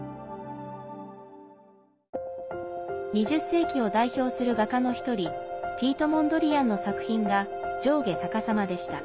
２０世紀を代表する画家の一人ピート・モンドリアンの作品が上下逆さまでした。